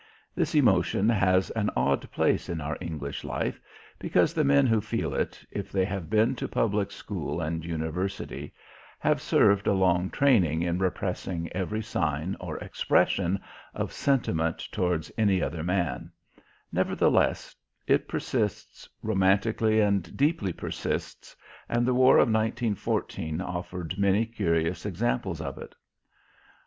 This emotion has an odd place in our English life because the men who feel it, if they have been to public school and university, have served a long training in repressing every sign or expression of sentiment towards any other man; nevertheless it persists, romantically and deeply persists, and the war of 1914 offered many curious examples of it.